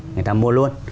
người ta mua luôn